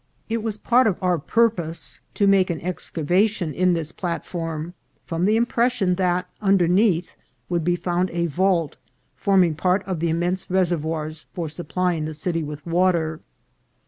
It was part of our purpose to make an HOUSE OF THE GOVERNOR. 429 excavation in this platform, from the impression that underneath would be found a vault, forming part of the immense reservoirs for supplying the city with water.